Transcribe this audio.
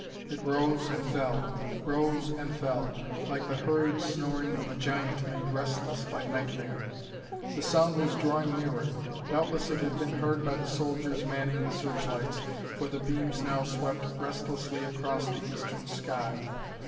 It rose and fell, rose and fell, like the hurried snoring of a giant made restless by nightmare. The sound was drawing nearer. Doubtless it had been heard by the soldiers manning the searchlights for the beams now swept restlessly across the eastern sky.